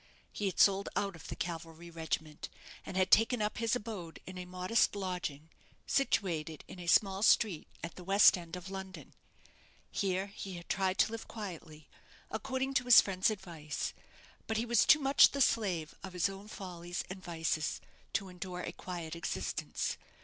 He had sold out of the cavalry regiment, and had taken up his abode in a modest lodging, situated in a small street at the West end of London. Here he had tried to live quietly, according to his friend's advice; but he was too much the slave of his own follies and vices to endure a quiet existence.